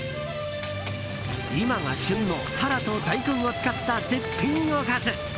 今が旬のタラと大根を使った絶品おかず！